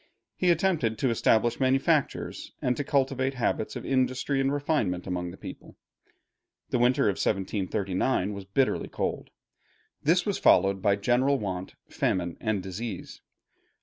He attempted to establish manufactures, and to cultivate habits of industry and refinement among the people. The winter of 1739 was bitterly cold. This was followed by general want, famine, and disease.